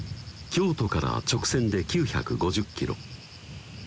京都から直線で９５０キロ